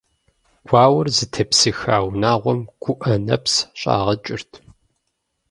Гуауэр зытепсыха унагъуэм гуӀэ нэпс щӀагъэкӀырт.